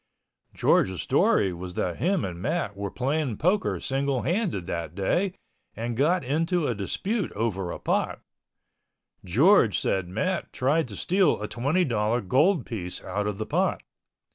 George's story was that him and Matt were playing poker single handed that day and got into a dispute over a pot. George said Matt tried to steal a twenty dollar gold piece out of the pot.